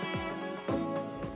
aisyah takuasa menahan air mokok